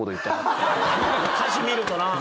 歌詞見るとな。